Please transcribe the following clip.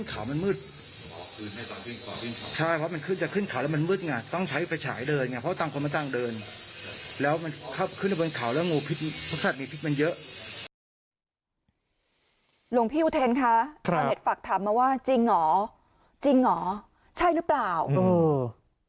หลวงพี่อุเทนคะชาวเน็ตฝากถามมาว่าจริงเหรอจริงเหรอใช่หรือเปล่าเออ